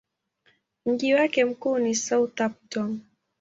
Mji wake mkuu ni Southampton.